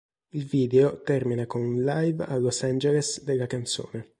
Il video termina con un live a Los Angeles della canzone.